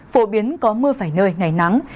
phổ biến có mưa phải nơi ngày nắng